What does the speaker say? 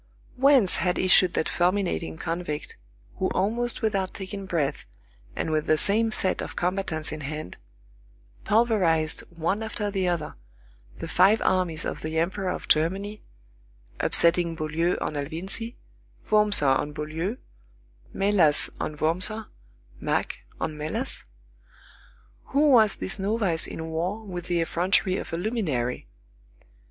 Whence had issued that fulminating convict, who almost without taking breath, and with the same set of combatants in hand, pulverized, one after the other, the five armies of the emperor of Germany, upsetting Beaulieu on Alvinzi, Wurmser on Beaulieu, Mélas on Wurmser, Mack on Mélas? Who was this novice in war with the effrontery of a luminary?